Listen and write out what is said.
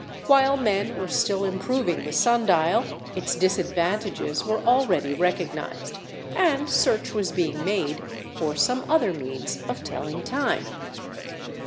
While men were still improving the sun dial, its disadvantages were already recognized and search was being made for some other means of telling time.